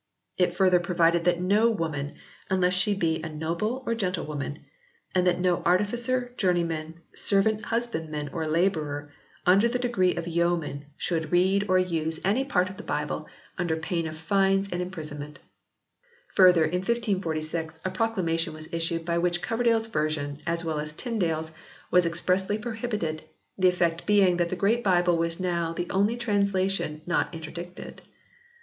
It further provided that no woman (unless she be a noble or gentlewoman), and that no artificer, journeyman, servant husbandman or labourer under the degree of yeoman should read or use any iv] THE GREAT BIBLE 69 part of the Bible under pain of fines and imprison ment. Further, in 1546 a proclamation was issued by which Coverdale s version as well as Tyndale s was expressly prohibited, the effect being that the Great Bible was now the only translation not inter dicted.